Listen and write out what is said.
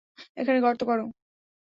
এখানে গর্ত কর।